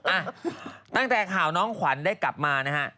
อ่ะตั้งแต่ข่าวน้องขวัญได้กลับมานะฮะ